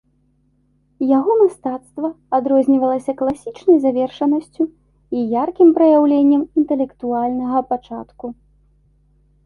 Яго мастацтва адрознівалася класічнай завершанасцю і яркім праяўленнем інтэлектуальнага пачатку.